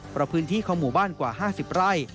เพราะพื้นที่ของหมู่บ้านกว่า๕๐ไร่